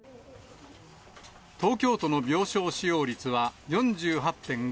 東京都の病床使用率は４８．５％。